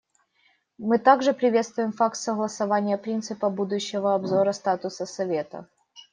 Мы также приветствуем факт согласования принципа будущего обзора статуса Совета.